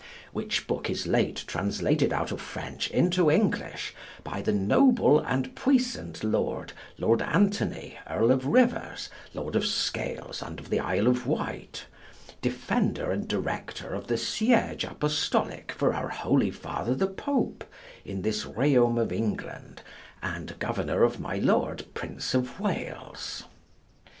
Which book is late translated out of French into English by the noble and puissant Lord Lord Antony, Earl of Rivers, Lord of Scales and of the Isle of Wight, defender and director of the siege apostolic for our holy father the Pope in this royaume of England, and governor of my Lord Prince of Wales.